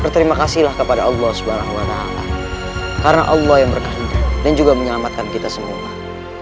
tidak akan berpisah